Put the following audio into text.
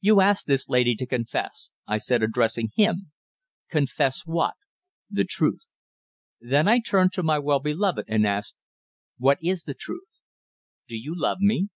"You asked this lady to confess," I said, addressing him. "Confess what?" "The truth." Then I turned to my well beloved and asked "What is the truth? Do you love me?"